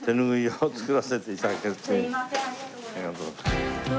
ありがとうございます。